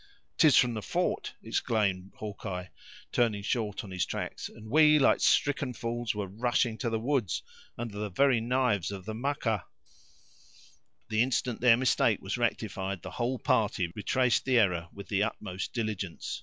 "'Tis from the fort!" exclaimed Hawkeye, turning short on his tracks; "and we, like stricken fools, were rushing to the woods, under the very knives of the Maquas." The instant their mistake was rectified, the whole party retraced the error with the utmost diligence.